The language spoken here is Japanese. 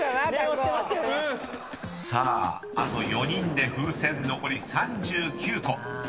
［さああと４人で風船残り３９個］